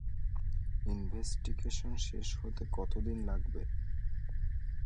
Investigation শেষ হতে কত দিন লাগবে?